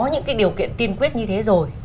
những cái điều kiện tiên quyết như thế rồi